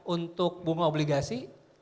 untuk bunga obligasi